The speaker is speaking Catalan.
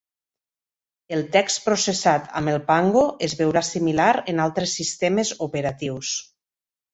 El text processat amb el Pango es veurà similar en altres sistemes operatius.